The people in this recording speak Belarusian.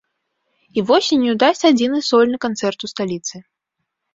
І восенню дасць адзіны сольны канцэрт у сталіцы.